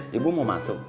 ya bu mau masuk